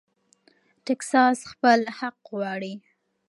ټیکساس خپل حق غواړي.